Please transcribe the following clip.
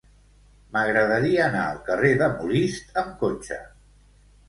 M'agradaria anar al carrer de Molist amb cotxe.